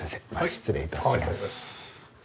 失礼いたします。